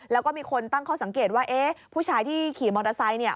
แล้วก็มีคนตั้งข้อสังเกตว่าผู้ชายที่ขี่มอเตอร์ไซต์